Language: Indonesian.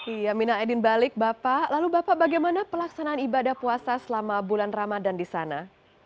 ya minal a'idin balik bapak lalu bapak bagaimana pelaksanaan ibadah puasa selama bulan ramadan di sana